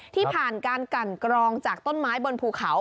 ที่ผ่านการกันกรองจากต้นไม้บนภูเขา